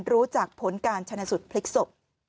รู้จากผลการชนะสูตรพลิกศพ